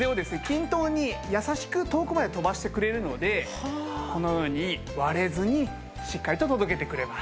均等に優しく遠くまで飛ばしてくれるのでこのように割れずにしっかりと届けてくれます。